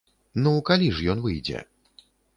Ну, калі ж ён выйдзе?